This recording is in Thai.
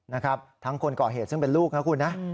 นะครับทั้งคนก่อเหตุซึ่งเป็นลูกนะคุณนะ